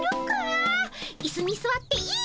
いすにすわっていいっすか？